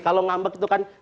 kalau ngambek itu kan